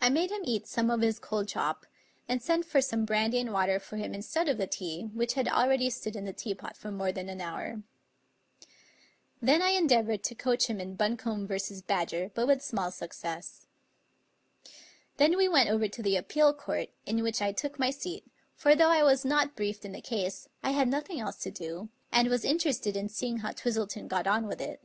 I made him eat some of his cold chop, and sent for some brandy and water for him instead of the tea, which had already stood in the tea pot for more than an hour. Then I endeavored to coach him in Buncombe v. Badger, but with small success. Then we went over to the Appeal Court, in which I took my seat; for though I was not briefed in the case, I had noth ing else to do, and was interested in seeing how Twistleton got on with it.